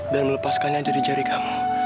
dan melepaskannya dari jari kamu